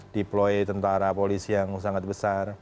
deploy tentara polisi yang sangat besar